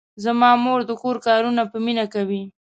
زما مور د کور کارونه په مینه کوي.